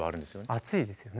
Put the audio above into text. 暑いですよね。